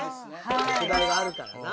特大があるからな。